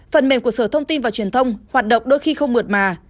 phần mềm của sở thông tin và truyền thông hoạt động đôi khi không mượt mà